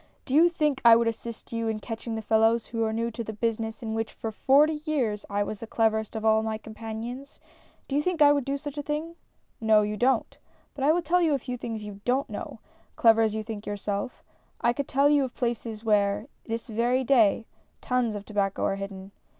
Do you think I would assist you in catching the fellows who are new to the business in which for forty years I was the cleverest of all my companions ! Do you think I would do such a thing ? No, you don't. But I will tell a fft^ things you don't know, clever as you think yourself. I could tell you of places where, this very day, tons of tobacco are hidden.